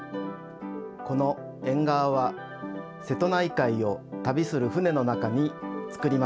このえんがわは瀬戸内海を旅する船の中につくりました。